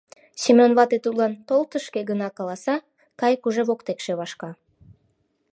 Семён вате тудлан «Тол тышке» гына каласа — кайык уже воктекше вашка.